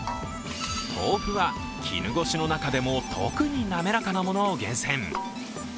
豆腐は絹ごしの中でも特に滑らかなものを厳選。